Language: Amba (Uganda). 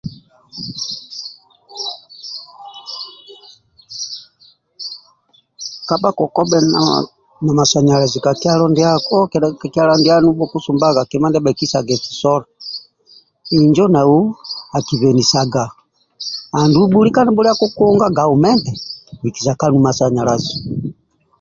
Kabha kokobhe na masanyalazi ka kyalo ndiako kedha ka kyalo bhukusumbaga sola injo nau akibenisaga andulu bhulike nibhulia kukunga gaumenti bikisa kanu masanyalazi